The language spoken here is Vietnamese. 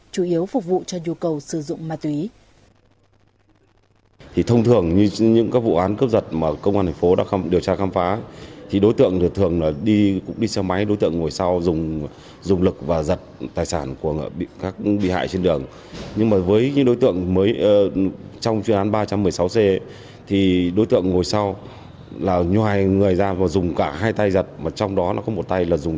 chủ yếu phục vụ cho nhu cầu sử dụng ma túy